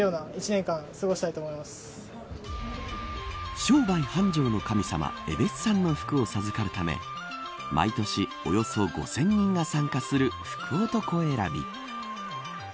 商売繁盛の神様えべっさんの福を授かるため毎年およそ５０００人が参加する福男選び。